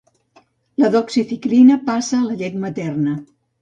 La doxiciclina passa a la llet materna.